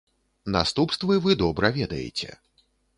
Наступствы вы добра ведаеце.